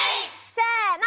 せの！